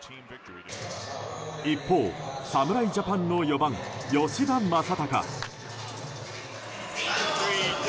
一方、侍ジャパンの４番吉田正尚。